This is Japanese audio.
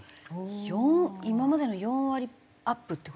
４今までの４割アップって事？